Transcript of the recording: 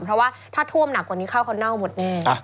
เพราะว่าถ้าท่วมหนักกว่านี้เข้าเขาเน่าหมดแน่